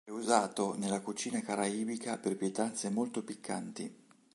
È usato nella cucina caraibica per pietanze molto piccanti.